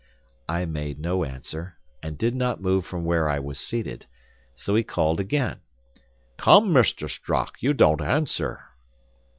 I made no answer, and did not move from where I was seated; so he called again, "Come, Mr. Strock; you don't answer."